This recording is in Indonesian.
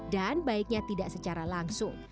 dan baiknya tidak secara langsung